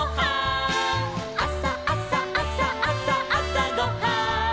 「あさあさあさあさあさごはん」